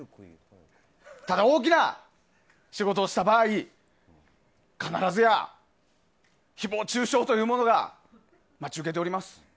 ただ、大きな仕事をした場合必ずや誹謗中傷というものが待ち受けております。